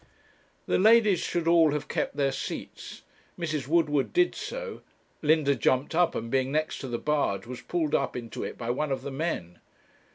The ladies should all have kept their seats. Mrs. Woodward did do so. Linda jumped up, and being next to the barge, was pulled up into it by one of the men.